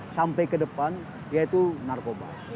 sampai ke depan yaitu narkoba